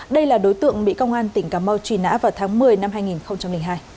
đây là đối tượng bị công an tỉnh cà mau truy nã vào tháng một mươi năm hai nghìn hai